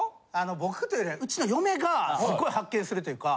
僕というよりはうちの嫁がすごい発見するというか。